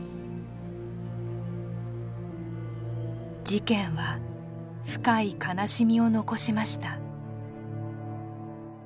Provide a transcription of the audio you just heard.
事件は深い悲しみを残しました